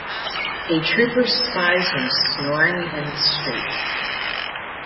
A trooper spies him snoring in the street.